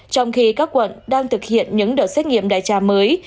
trong khi các quận đang thực hiện những đợt xét nghiệm đại trà mới